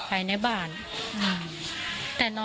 เธอไม่ได้รับความแรง